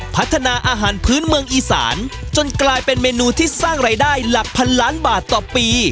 พัฒนาอาหารพื้นเมืองอีสานจนกลายเป็นเมนูที่สร้างรายได้หลักพันล้านบาทต่อปี